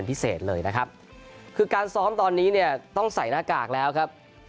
ที่ซ้อมตอนนี้ที่บ้านเรามณ์